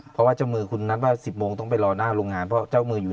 เพราะว่าเจ้ามือคุณนัดว่า๑๐โมงต้องไปรอหน้าโรงงานเพราะเจ้ามืออยู่